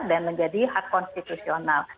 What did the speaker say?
dan menjadi hak konstitusional